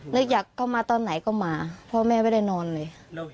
อยากเข้ามาตอนไหนก็มาเพราะแม่ไม่ได้นอนเลย